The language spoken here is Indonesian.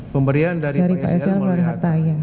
pemberian dari pak sl melalui hatta